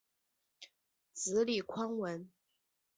子李匡文。